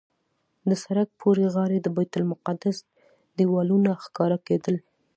د سړک پورې غاړې د بیت المقدس دیوالونه ښکاره کېدل.